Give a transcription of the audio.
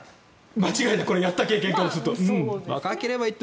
間違いなくこれはやった経験から言うと。